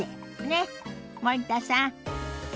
ねっ森田さん。